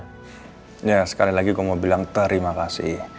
iya sekali lagi gue mau bilang terima kasih